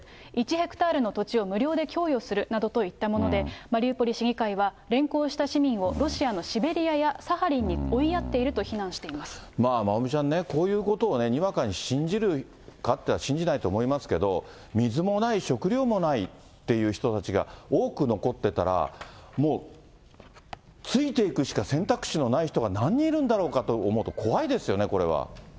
１ヘクタールの土地を無料で供与するなどといったもので、マリウポリ市議会は、連行した市民をロシアのシベリアやサハリンに追いやっていると非まおみちゃんね、こういうことをにわかに信じるかっていったら、信じないと思いますけど、水もない、食料もないっていう人たちが多く残ってたら、もうついていくしか選択肢のない人が何人いるんだろうかと思うと怖いですよね、これは。